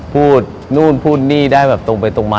พูดนู่นพูดนี่ได้แบบตรงไปตรงมา